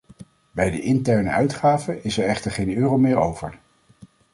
Bij de interne uitgaven is er echter geen euro meer over.